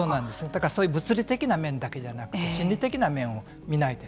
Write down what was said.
だからそういう物理的な面だけじゃなくて心理的な面を見ないと。